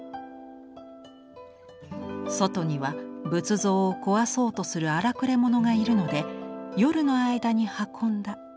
「外には仏像を壊そうとする荒くれ者がいるので夜の間に運んだ」。